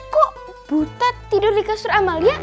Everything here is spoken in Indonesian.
kok butet tidur di kasur amalia